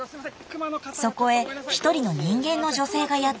そこへ一人の人間の女性がやって来ました。